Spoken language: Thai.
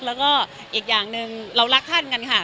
แล้วก็อีกอย่างหนึ่งเรารักท่านกันค่ะ